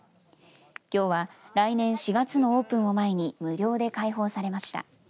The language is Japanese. きょうは来年４月のオープンを前に無料で開放されました。